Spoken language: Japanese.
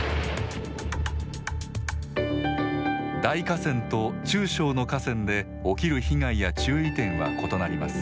大河川と中小の河川で起きる被害や注意点は異なります。